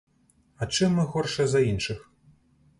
А чым мы горшыя за іншых?